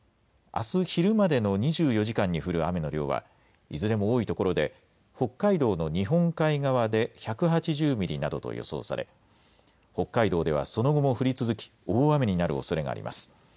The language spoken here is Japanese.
あす昼までの２４時間に降る雨の量はいずれも多いところで北海道の日本海側で１８０ミリなどと予想され、北海道ではその後も降り続き大雨になるおそれがあります。